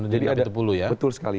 jadi ada betul sekali